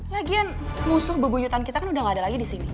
lagian musuh bebuyutan kita kan udah gak ada lagi di sini